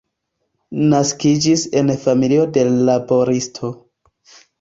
Naskiĝis en familio de laboristo.